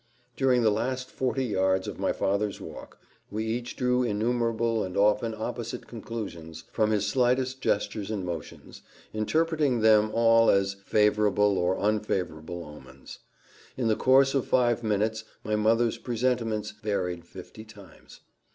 During the last forty yards of my father's walk, we each drew innumerable and often opposite conclusions, from his slightest gestures and motions, interpreting them all as favourable or unfavourable omens. In the course of five minutes my mother's presentiments varied fifty times.